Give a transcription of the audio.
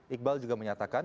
iqbal juga menyatakan